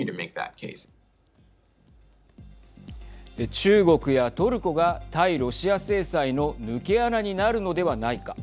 中国やトルコが対ロシア制裁の抜け穴になるのではないか。